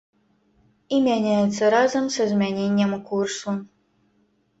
І мяняецца разам са змяненнем курсу.